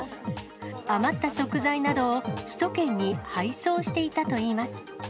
余った食材などを首都圏に配送していたといいます。